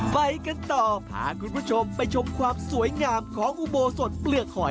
ไปกันต่อพาคุณผู้ชมไปชมความสวยงามของอุโบสถเปลือกหอย